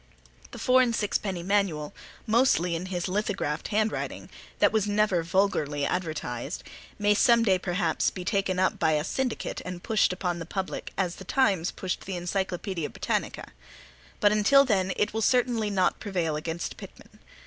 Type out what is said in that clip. The four and six penny manual, mostly in his lithographed handwriting, that was never vulgarly advertized, may perhaps some day be taken up by a syndicate and pushed upon the public as The Times pushed the Encyclopaedia Britannica; but until then it will certainly not prevail against Pitman.